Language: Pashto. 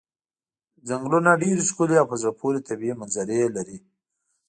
څنګلونه ډېرې ښکلې او په زړه پورې طبیعي منظرې لري.